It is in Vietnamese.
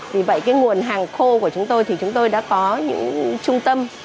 vì vậy cái nguồn hàng khô của chúng tôi thì chúng tôi đã có những trung tâm